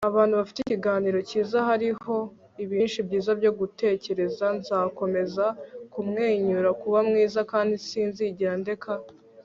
abantu bafite ikiganiro cyiza. hariho ibintu byinshi byiza byo gutekereza. nzakomeza kumwenyura, kuba mwiza kandi sinzigera ndeka